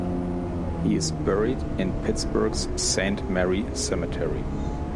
He is buried in Pittsburgh's Saint Mary Cemetery.